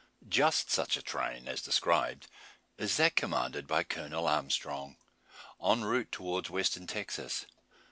Just such a train as described is that commanded by Colonel Armstrong, en route towards Western Texas.